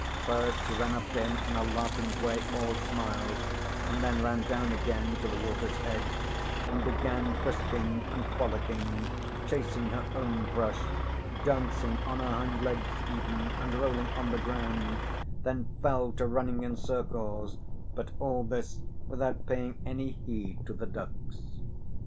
First she ran up to him in a laughing way, all smiles, and then ran down again to the water's edge and began frisking and frolicking, chasing her own brush, dancing on her hind legs even, and rolling on the ground, then fell to running in circles, but all this without paying any heed to the ducks.